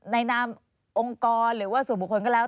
นามองค์กรหรือว่าส่วนบุคคลก็แล้ว